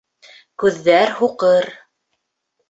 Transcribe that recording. Күҙҙәр һуҡыр.